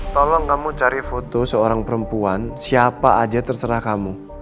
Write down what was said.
tolong kamu cari foto seorang perempuan siapa aja terserah kamu